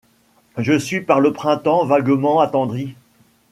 Je suis par le printemps vaguement attendri.